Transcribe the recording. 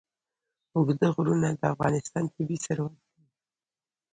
اوږده غرونه د افغانستان طبعي ثروت دی.